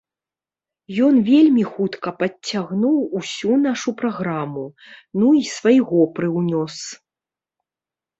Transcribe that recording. Ён вельмі хутка падцягнуў усю нашу праграму, ну, і свайго прыўнёс.